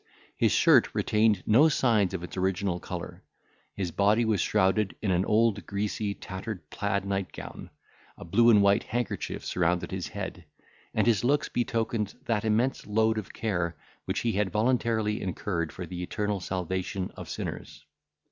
His shirt retained no signs of its original colour, his body was shrouded in an old greasy tattered plaid nightgown; a blue and white handkerchief surrounded his head, and his looks betokened that immense load of care which he had voluntarily incurred for the eternal salvation of sinners.